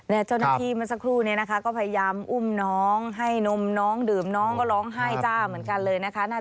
เจ้าหน้าที่เมื่อสักครู่นี้นะคะก็พยายามอุ้มน้องให้นมน้องดื่มน้องก็ร้องไห้จ้าเหมือนกันเลยนะคะ